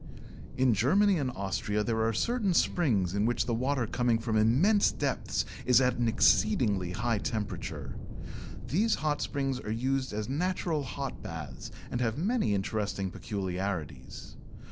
In Germany and Austria there are certain springs in which the water coming from immense depths is at an exceedingly high temperature. These hot springs are used as natural hot baths, and have many interesting peculiarities.